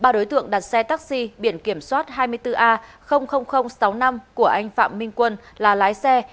ba đối tượng đặt xe taxi biển kiểm soát hai mươi bốn a sáu mươi năm của anh phạm minh quân là lái xe